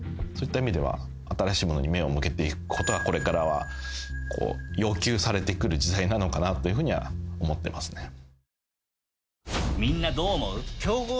そういった意味では新しいものに目を向けていくことはこれからは要求されてくる時代なのかなというふうには思ってますね。